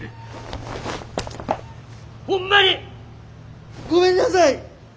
ほんまにごめんなさい！